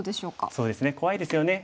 そうですね怖いですよね。